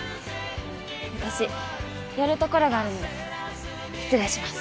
私寄るところがあるんで失礼します。